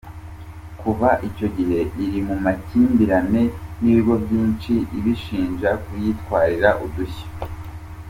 Kuva icyo gihe iri mu makimbirane n’ibigo byinshi ishinja kuyitwarira udushya.